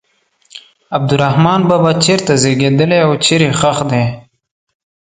عبدالرحمان بابا چېرته زیږېدلی او چیرې ښخ دی.